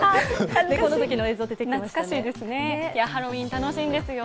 ハロウィーン楽しいんですよ。